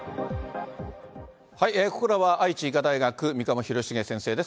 ここからは愛知医科大学、三鴨廣繁先生です。